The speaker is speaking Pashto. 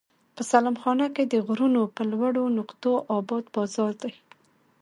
په سلام خانه کې د غرونو پر لوړو نقطو اباد بازار دی.